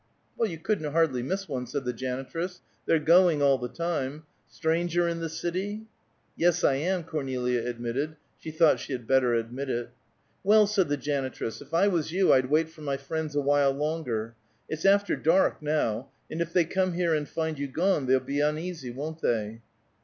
"Well, you couldn't hardly miss one," said the janitress. "They're going all the time. Stranger in the city?" "Yes, I am," Cornelia admitted; she thought she had better admit it. "Well," said the janitress, "if I was you I'd wait for my friends a while longer. It's after dark, now, and if they come here and find you gone, they'll be uneasy, won't they?"